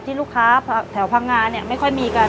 ลูกค้าแถวพังงาเนี่ยไม่ค่อยมีกัน